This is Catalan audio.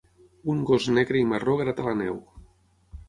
un gos negre i marró grata la neu.